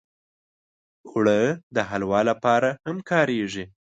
اوړه د حلوا لپاره هم کارېږي